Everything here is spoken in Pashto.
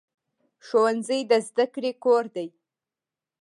ښوونځی د زده کړې کور دی